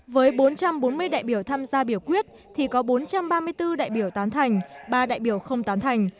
với bốn trăm bốn mươi đại biểu tham gia biểu quyết thì có bốn trăm ba mươi bốn đại biểu tán thành ba đại biểu không tán thành